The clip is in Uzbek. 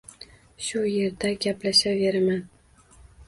Shu erda gaplashaveraman